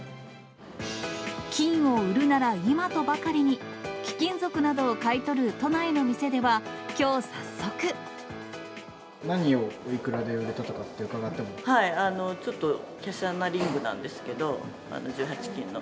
金を売るなら今とばかりに、貴金属などを買い取る都内の店では、きょう、早速。何をおいくらで売れたとかっちょっときゃしゃなリングなんですけど、１８金の。